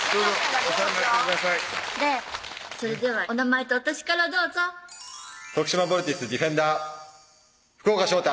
それではお名前とお歳からどうぞ徳島ヴォルティスディフェンダー福岡将太